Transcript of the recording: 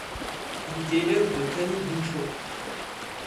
Il était élève de Tani Bunchō.